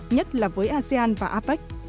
nhất là với asean và apec